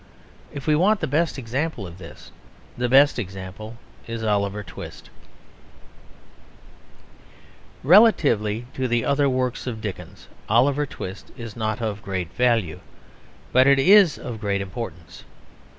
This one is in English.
If we want the best example of this, the best example is Oliver Twist. Relatively to the other works of Dickens Oliver Twist is not of great value, but it is of great importance.